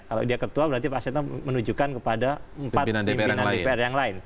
kalau dia ketua berarti pak setno menunjukkan kepada empat pimpinan dpr yang lain